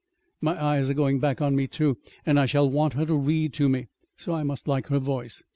My eyes are going back on me, too, and I shall want her to read to me; so I must like her voice.